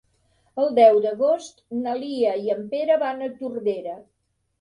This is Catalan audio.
El deu d'agost na Lia i en Pere van a Tordera.